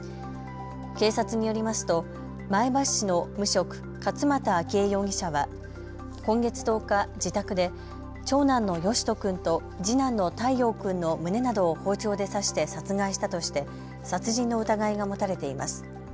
警察によりますと前橋市の無職、勝俣秋恵容疑者は今月１０日、自宅で長男の善登君と次男の太陽君の胸などを包丁で刺して殺害したとして殺人の疑いが持たれています。